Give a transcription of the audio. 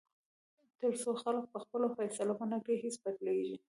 تر څو خلک پخپله فیصله ونه کړي، هیڅ بدلېږي.